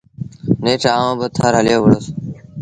نيٺ آئوٚݩ با ٿر هليو وُهڙس۔